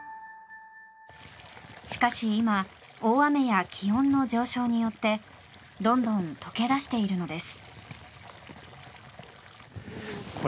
しかし今大雨や気温の上昇によってどんどん解け出しているのです。